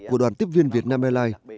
của đoàn tiếp viên việt nam airlines